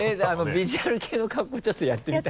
ヴィジュアル系の格好をちょっとやってみたい？